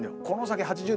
この先